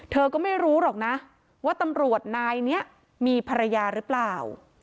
เธอก็ไม่รู้หรอกนะว่าตำรวจนายนี้มีภรรยาหรือเปล่า